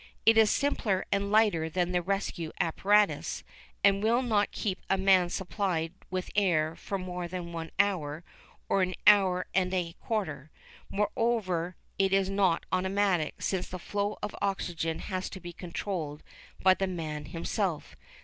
It is simpler and lighter than the rescue apparatus, and will not keep a man supplied with air for more than an hour or an hour and a quarter. Moreover, it is not automatic, since the flow of oxygen has to be controlled by the man himself.